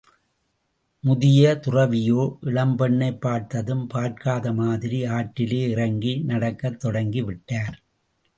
முதிய துறவியோ, இளம்பெண்ணைப் பார்த்ததும் பார்க்காத மாதிரி ஆற்றிலே இறங்கி நடக்கத் தொடங்கி விட்டார்.